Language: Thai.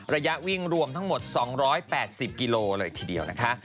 ระยะวิ่งรวมทั้งหมด๒๘๐กิโลเลยทีเดียวนะคะ